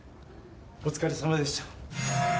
・お疲れさまでした。